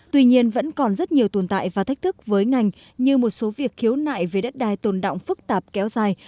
tuy nhiên vẫn còn rất nhiều tồn tại và thách thức với ngành như một số việc khiếu nại về đất đai tồn đọng phức tạp kéo dài